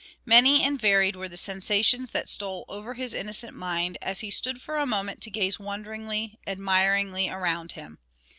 Many and varied were the sensations that stole over his innocent mind, as he stood for a moment to gaze wonderingly, admiringly around him.